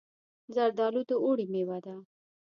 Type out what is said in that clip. زردالو د اوړي مېوه ده.